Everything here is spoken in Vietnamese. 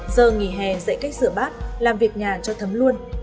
giờ nghỉ hè dạy cách rửa bát làm việc nhà cho thấm luôn